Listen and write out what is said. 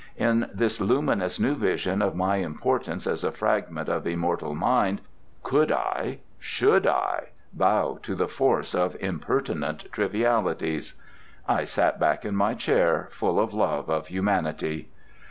In this luminous new vision of my importance as a fragment of immortal mind, could I, should I, bow to the force of impertinent trivialities? I sat back in my chair, full of love of humanity.